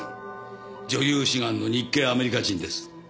女優志願の日系アメリカ人です。